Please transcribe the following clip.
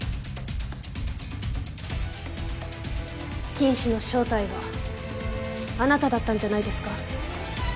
金主の正体はあなただったんじゃないですか？